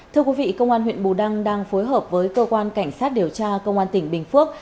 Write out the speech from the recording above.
thưa quý vị công an huyện bù đăng đang phối hợp với cơ quan cảnh sát điều tra công an tỉnh bình phước